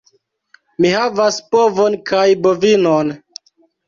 Mi havas bovon kaj bovinon.